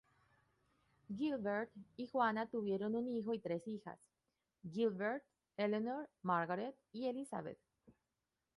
Gilbert y Juana tuvieron un hijo y tres hijas: Gilbert, Eleanor, Margaret y Elizabeth.